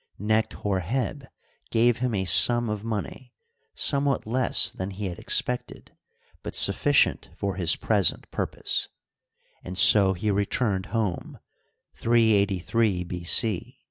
Necht Hor heb gave him a sum of monejr, somewhat less than he had expected, but sufficient for his present purpose, and so he returned home (383 B. C).